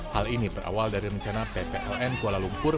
hal ini berawal dari rencana ppln kuala lumpur